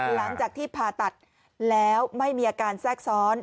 หลังจากที่ผ่าตัดแล้วไม่มีอาการแทรกซ้อน